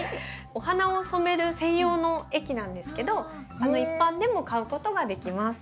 お花を染める専用の液なんですけど一般でも買うことができます。